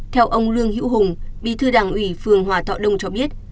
theo ông lương hữu hùng bí thư đảng ủy phường hòa thọ đông cho biết